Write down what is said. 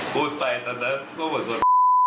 พูดไปตอนนั้นว่าเหมือนคน